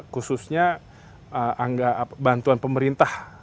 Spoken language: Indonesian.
khususnya bantuan pemerintah